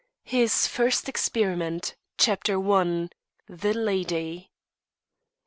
HIS FIRST EXPERIMENT. CHAPTER I. THE LADY.